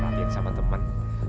perhatiin sama teman